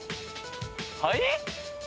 はい！？